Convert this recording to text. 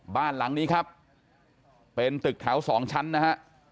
บ้านหลังนี้ครับเป็นตึกแถวสองชั้นนะฮะ